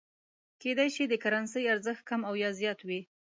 کېدای شي د کرنسۍ ارزښت کم او یا زیات وي.